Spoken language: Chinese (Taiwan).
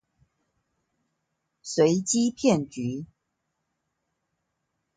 隨機騙局